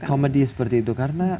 comedy seperti itu